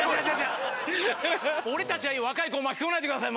俺たちはいいよ若い子を巻き込まないでください。